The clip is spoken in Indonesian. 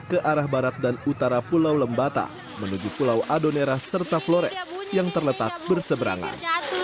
ke arah barat dan utara pulau lembata menuju pulau adonera serta flores yang terletak berseberangan